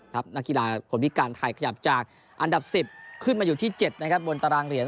นักกีฬาคนพิการไทยขยับจากอันดับ๑๐ขึ้นมาอยู่ที่๗นะครับบนตารางเหรียญ